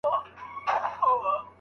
خلګو خپلو تېروتنو ته بخښنه غوښته.